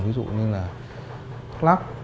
ví dụ như là